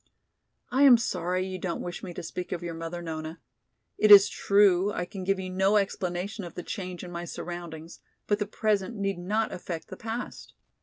"I am sorry you don't wish me to speak of your mother, Nona. It is true I can give you no explanation of the change in my surroundings, but the present need not affect the past.